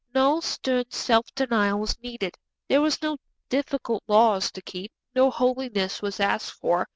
No stern self denial was needed; there were no difficult laws to keep; no holiness was asked for.